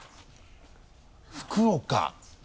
福岡。